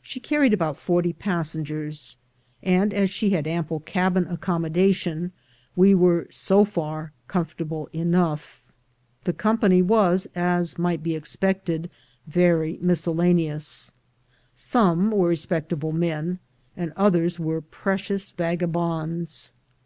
She carried about forty passengers; and as she had ample cabin accommodation, we v%ere so far comfortable enough. The company was, as might be expected, verj' miscel laneous. Some were respectable men, and others were precious vagabonds.